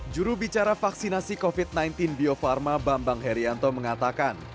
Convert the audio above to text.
jurubicara vaksinasi covid sembilan belas bio farma bambang herianto mengatakan